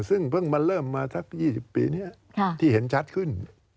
ซึ่งเพิ่งมาเริ่มมาสัก๒๐ปีนี้ที่เห็นชัดขึ้น